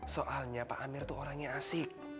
soalnya pak amir tuh orangnya asyik